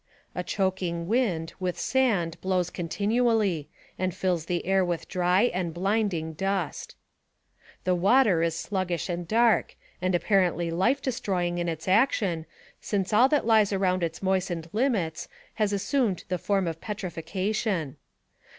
A choking wind, with sand, blows continually, and fills the air with dry and blinding dust. The water is sluggish and dark, and apparently life destroying in its action, since all that lies around its moistened limits has assumed the form of petrifaction.